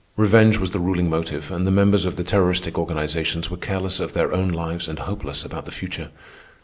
Revenge was the ruling motive, and the members of the terroristic organizations were careless of their own lives and hopeless about the future.